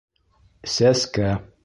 Сәскә...